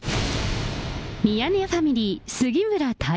ミヤネ屋ファミリー、杉村太